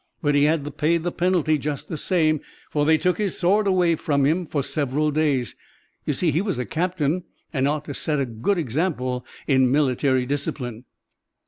"But he had to pay the penalty just the same, for they took his sword away from him for several days. You see, he was a captain and ought to 'a' set a good example in military discipline."